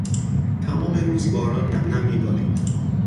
تمام روز باران نمنم میبارید.